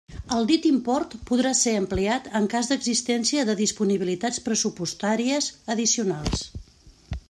El dit import podrà ser ampliat en cas d'existència de disponibilitats pressupostàries addicionals.